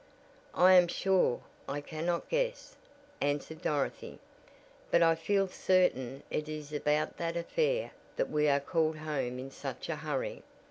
"I am sure I cannot guess," answered Dorothy, "but I feel certain it is about that affair that we are called home in such a hurry.